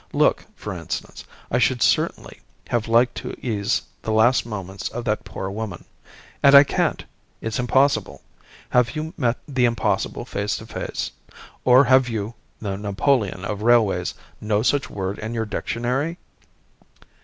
Look, for instance, I should certainly have liked to ease the last moments of that poor woman. And I can't. It's impossible. Have you met the impossible face to face or have you, the Napoleon of railways, no such word in your dictionary?"